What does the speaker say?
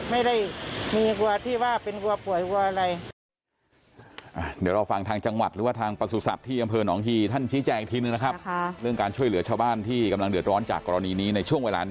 ไม่ได้มีกลัวที่ว่าเป็นกลัวป่วยกลัวอะไร